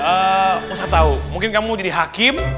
aku nggak tahu mungkin kamu mau jadi hakim